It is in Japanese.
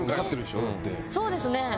そうですね。